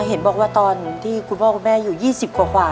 เห็นบอกว่าตอนที่คุณพ่อคุณแม่อยู่๒๐กว่า